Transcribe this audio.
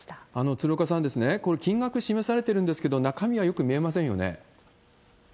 鶴岡さん、これ、金額示されてるんですけど、中身はよく見えませんよね。